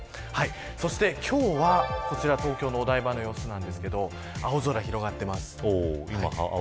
今日は、こちら東京のお台場の様子ですが青空が広がっています。